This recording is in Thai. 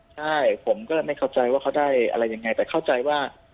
ใช่ผมก็ไม่เข้าใจว่าเขาได้อะไรยังไงแต่เข้าใจว่า